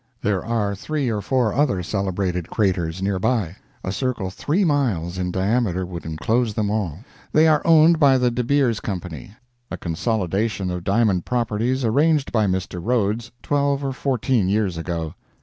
There are three or four other celebrated craters near by a circle three miles in diameter would enclose them all. They are owned by the De Beers Company, a consolidation of diamond properties arranged by Mr. Rhodes twelve or fourteen years ago.